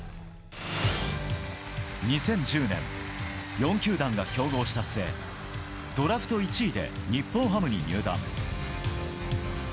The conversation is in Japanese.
２０１０年、４球団が競合した末ドラフト１位で日本ハムに入団。